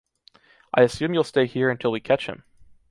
I assume you’ll stay here until we catch him.